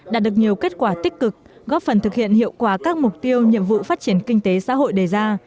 đạt được nhiều kết quả tích cực góp phần thực hiện hiệu quả các mục tiêu nhiệm vụ phát triển kinh tế xã hội đề ra